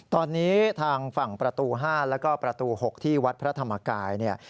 ตอนนี้ทางฝั่งประตู๕แล้วก็ประตู๖ที่วัดพระธรรมกายเนี่ย